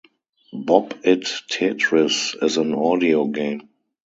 Bop It Tetris is an audio game.